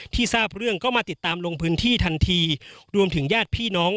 ทราบเรื่องก็มาติดตามลงพื้นที่ทันทีรวมถึงญาติพี่น้อง